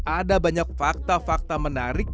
ada banyak fakta fakta menarik